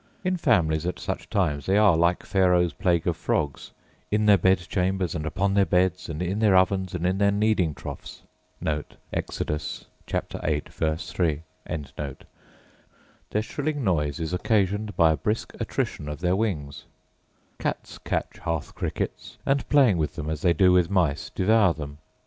In families, at such times, they are, like Pharaoh's plague of frogs, 'in their bed chambers, and upon their beds, and in their ovens, and in their kneading troughs.' * Their shrilling noise is occasioned by a brisk attrition of their wings. Cats catch hearth crickets, and, playing with them as they do with mice, devour them.